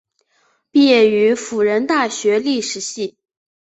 毕业于辅仁大学历史系。